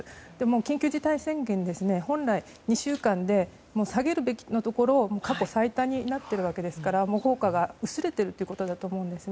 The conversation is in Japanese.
緊急事態宣言、本来２週間で下げるべきのところを過去最多になっているわけですから効果が薄れているということだと思うんです。